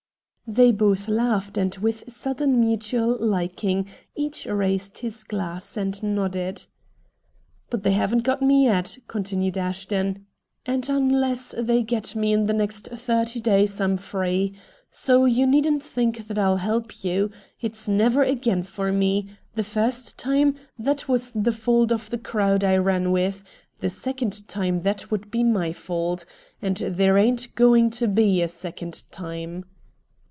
They both laughed, and, with sudden mutual liking, each raised his glass and nodded. "But they haven't got me yet," continued Ashton, "and unless they get me in the next thirty days I'm free. So you needn't think that I'll help you. It's 'never again' for me. The first time, that was the fault of the crowd I ran with; the second time, that would be MY fault. And there ain't going to be any second time."